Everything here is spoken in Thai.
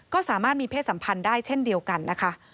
ก็สามารถมีเพศสัมพันธ์ได้เช่นเดียวกันนะคะ